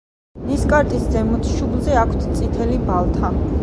ნისკარტის ზემოთ, შუბლზე აქვთ წითელი ბალთა.